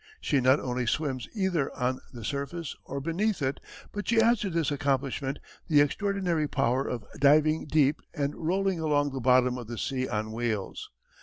She not only swims either on the surface or beneath it, but she adds to this accomplishment the extraordinary power of diving deep and rolling along the bottom of the sea on wheels.